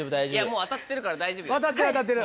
もう当たってるから大丈夫よ。